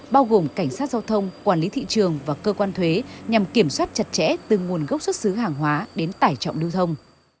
bao gồm cảnh sát giao thông quản lý thị trường và cơ quan thuế nhằm kiểm soát chặt chẽ từ nguồn gốc xuất xứ hàng hóa đến tải trọng lưu thông